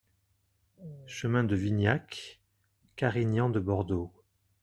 Chemin de Vignac, Carignan-de-Bordeaux